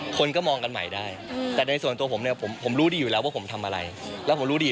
คนก็มองกันใหม่ได้แต่ในส่วนตัวผมเนี้ยผมผมรู้ดีอยู่แล้วว่าผมทำอะไร